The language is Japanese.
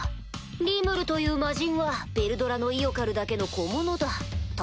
「リムルという魔人はヴェルドラの威を借るだけの小者だ」と。